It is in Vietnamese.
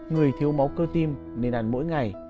người thiếu máu cơ tim nên ăn mỗi ngày